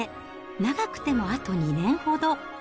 長くてもあと２年ほど。